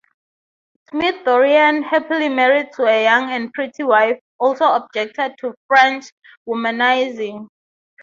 Smith-Dorrien, happily married to a young and pretty wife, also objected to French's womanising.